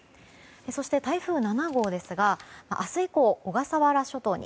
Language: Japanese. そして、台風７号ですが明日以降、小笠原諸島に。